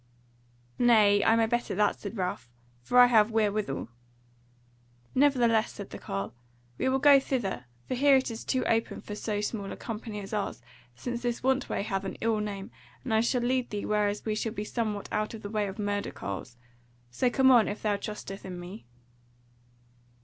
"Nay, I may better that," said Ralph, "for I have wherewithal." "Nevertheless," said the carle, "we will go thither, for here is it too open for so small a company as ours, since this want way hath an ill name, and I shall lead thee whereas we shall be somewhat out of the way of murder carles. So come on, if thou trusteth in me."